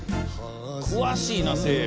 詳しいなせいや。